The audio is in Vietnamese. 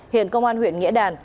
hiện công an huyện nghĩa đàn